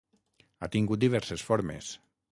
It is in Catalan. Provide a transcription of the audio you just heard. Ha tingut diverses formes.